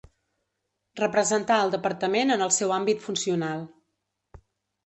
Representar el Departament en el seu àmbit funcional.